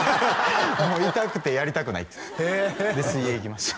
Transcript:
「もう痛くてやりたくない」ってで水泳いきました